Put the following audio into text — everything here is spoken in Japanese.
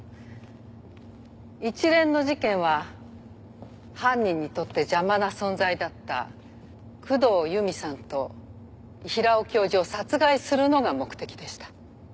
一連の事件は犯人にとって邪魔な存在だった工藤由美さんと平尾教授を殺害するのが目的でした。